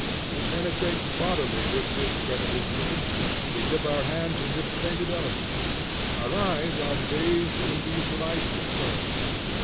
We penetrate bodily this incredible beauty; we dip our hands in this painted element; our eyes are bathed in these lights and forms.